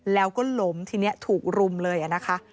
แล้วก็ล้มทีนี้ถูกรุมเลยนะคะ